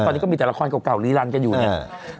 ตอนนี้ก็มีแต่ละครเก่าลีรันกันอยู่เนี่ย